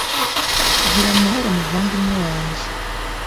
gira amahoro muvandimwe wanjye